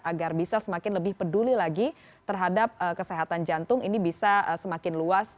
agar bisa semakin lebih peduli lagi terhadap kesehatan jantung ini bisa semakin luas